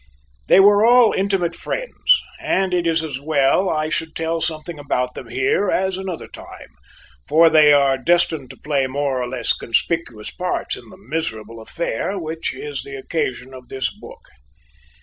They were all intimate friends, and it is as well I should tell something about them here as another time, for they are destined to play more or less conspicuous parts in the miserable affair which is the occasion of this book.